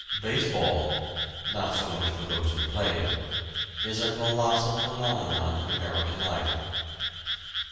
Baseball (not so much for those who play it), is a colossal phenomenon in American life.